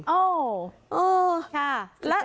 โอ้ค่ะยอด